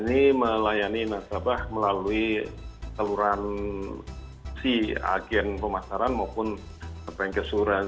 ini melayani nasabah melalui saluran si agen pemasaran maupun keseluruhan